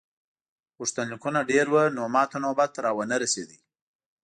غوښتنلیکونه ډېر وو نو ماته نوبت را ونه رسیده.